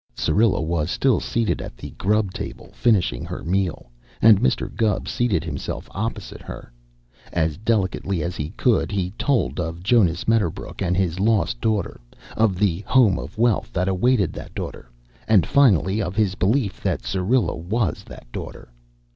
Syrilla was still seated at the grub table, finishing her meal, and Mr. Gubb seated himself opposite her. As delicately as he could, he told of Jonas Medderbrook and his lost daughter, of the home of wealth that awaited that daughter, and finally, of his belief that Syrilla was that daughter.